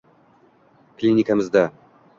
Klinikamizda